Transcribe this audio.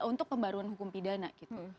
untuk pembaruan hukum pidana gitu